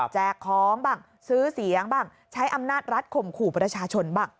ของบ้างซื้อเสียงบ้างใช้อำนาจรัฐข่มขู่ประชาชนบ้าง